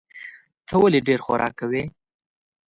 ته ولي ډېر خوراک کوې؟